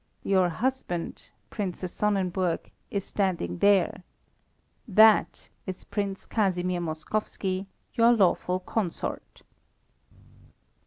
"Your husband, Princess Sonnenburg, is standing there. That is Prince Casimir Moskowski, your lawful consort."